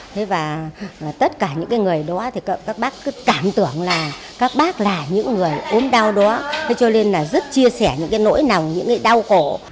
thế và tất cả những cái người đó thì các bác cứ cảm tưởng là các bác là những người ốm đau đó thế cho nên là rất chia sẻ những cái nỗi nòng những cái đau cổ